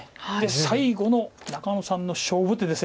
最後の中野さんの勝負手です。